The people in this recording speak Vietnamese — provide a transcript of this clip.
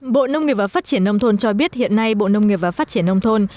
bộ nông nghiệp và phát triển nông thôn cho biết hiện nay bộ nông nghiệp và phát triển nông thôn